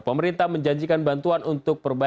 pemerintah menjanjikan bantuan untuk perbaikan